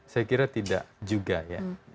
saya kira tidak juga ya